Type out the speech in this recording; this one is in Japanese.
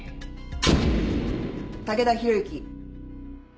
武田弘之。